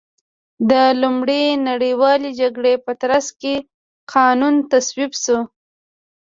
د لومړۍ نړیوالې جګړې په ترڅ کې قانون تصویب شو.